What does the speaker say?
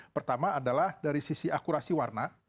pertama adalah dari sisi akurasi warna